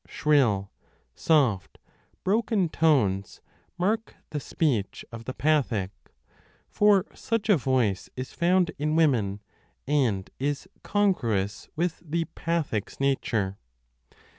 Shrill, soft, broken 8i3 b tones mark the speech of the pathic, for such a voice is found in women and is congruous with the pathic s nature.